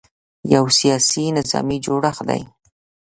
یو سیاسي – نظامي جوړښت دی.